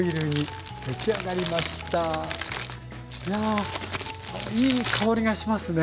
いやいい香りがしますね。